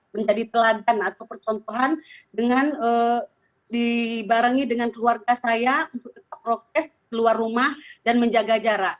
menjadi teladan atau percontohan dengan dibarengi dengan keluarga saya untuk tetap prokes keluar rumah dan menjaga jarak